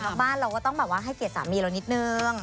เวลาออกบ้านเราก็ต้องให้เกียรติสามีเรานิดนึง